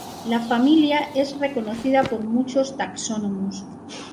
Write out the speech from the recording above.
La familia es reconocida por muchos taxónomos.